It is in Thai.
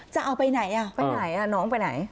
จะเอาไปไหนไปไหนน้องไปไหน